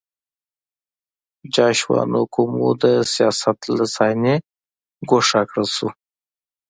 جاشوا نکومو د سیاست له صحنې ګوښه کړل شو.